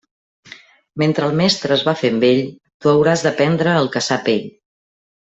Mentre el mestre es va fent vell, tu hauràs d'aprendre el que sap ell.